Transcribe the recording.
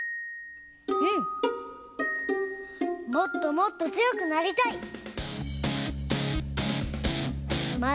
もっともっとつよくなりたい！